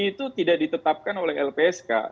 itu tidak ditetapkan oleh lpsk